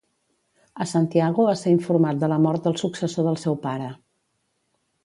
A Santiago va ser informat de la mort del successor del seu pare.